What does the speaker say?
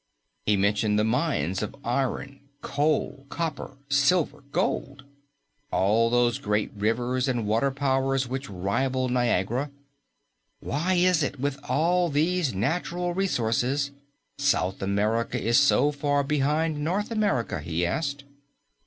He mentioned the mines of iron, coal, copper, silver, gold; all those great rivers and water powers which rival Niagara. "Why is it, with all these natural resources, South America is so far behind North America?" he asked.